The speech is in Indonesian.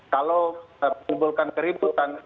kalau kumpulkan keributan